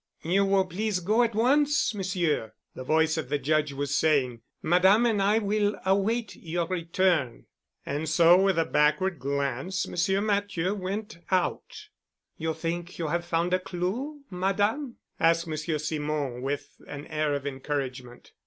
"You will please go at once, Monsieur," the voice of the Judge was saying. "Madame and I will await your return." And so with a backward glance, Monsieur Matthieu went out. "You think you have found a clue, Madame?" asked Monsieur Simon with an air of encouragement.